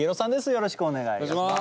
よろしくお願いします。